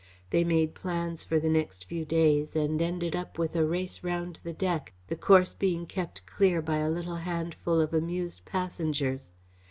They made plans for the next few days and ended up with a race round the deck, the course being kept clear by a little handful of amused passengers.